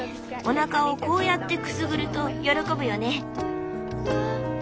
おなかをこうやってくすぐると喜ぶよね。